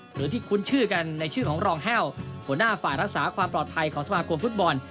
หรือที่คุ้นชื่อกันในชื่อของรองแห้วหัวหน้าฝ่ายรักษาความปลอดภัยของสมาคมฟุตบอล